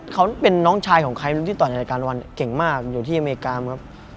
เขาเป็นน้องชายของใครที่ต่อยในรายการวันเก่งมากอยู่ที่อเมริกาครับ